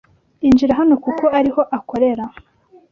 Injira hano kuko ariho akorera